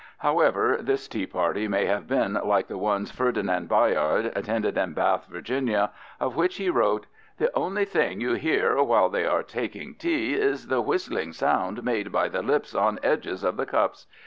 However, this tea party may have been like the ones Ferdinand Bayard attended in Bath, Virginia, of which he wrote: "The only thing you hear, while they are taking tea, is the whistling sound made by the lips on edges of the cups.